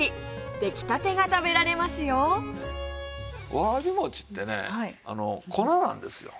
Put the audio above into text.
わらび餅ってね粉なんですよ。